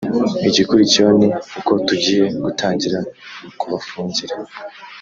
igikurikiyeho ni uko tugiye gutangira kubafungira